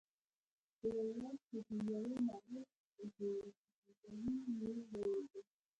په یوه واټ کې د یوه ناروغ زګېروی یې واورېدل.